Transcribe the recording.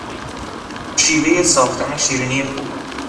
شیوهی ساختن شیرینی خوب